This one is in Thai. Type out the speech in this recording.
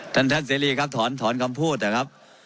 ท่านท่านเสรีครับถอนถอนคำพูดนะครับ